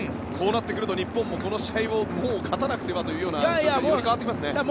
こうなってくると日本もこの試合を勝たなくてはという状況により変わってきますね。